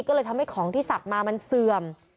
ก็เลยทำให้ของที่ศักดิ์มามันเสื่อม